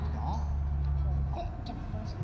こうやってキャップをしめて。